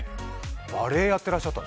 バレーをやってらっしゃった。